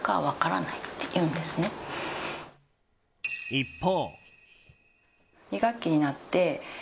一方。